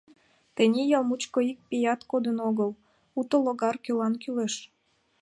Тений ял мучко ик пият кодын огыл — уто логар кӧлан кӱлеш.